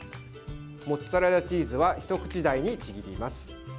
モッツァレラチーズは一口大にちぎります。